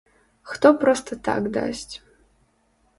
Хто проста так дасць.